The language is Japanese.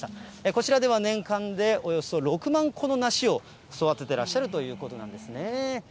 こちらでは年間でおよそ６万個の梨を育ててらっしゃるということなんですね。